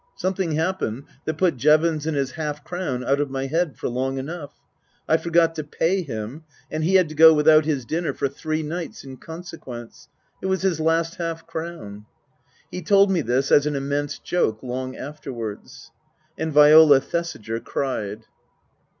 Something happened that put Jevons and his half crown out of my head for long enough. I forgot to pay him, and he had to go without his dinner for three nights in consequence. It was his last half crown. He told me this as an immense joke, long afterwards. And Viola Thesiger cried.